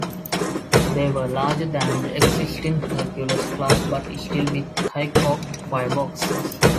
They were larger than the existing Hercules Class but still with haycock fireboxes.